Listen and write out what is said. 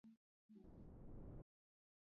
Diskoaren azala, aitzitik, ezaguna da jada.